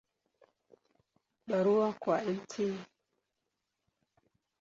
Barua kwa Mt.